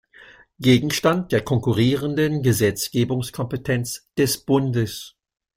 Gegenstand der konkurrierenden Gesetzgebungskompetenz des Bundes.